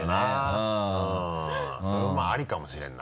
うんそれもありかもしれんな。